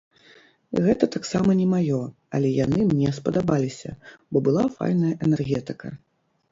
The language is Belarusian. Гэта таксама не маё, але яны мне спадабаліся, бо была файная энергетыка.